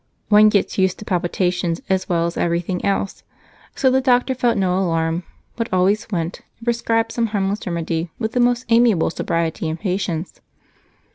One gets used to palpitations as well as everything else, so the doctor felt no alarm but always went and prescribed some harmless remedy with the most amiable sobriety and patience.